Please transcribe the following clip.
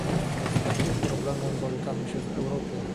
Z takim problemem borykamy się w Europie